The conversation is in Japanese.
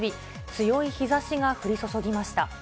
強い日ざしが降り注ぎました。